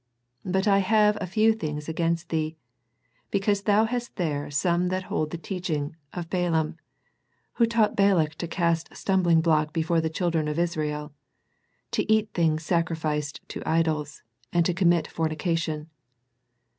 But I have a few things against thee, because thou hast there some that hold the teaching of Balaam, who taught Balak to cast a stumblingblock before the children of Israel, to eat things sacrificed to idols, and to commit fornication.